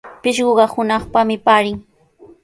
Pishquqa hunaqpami paarin.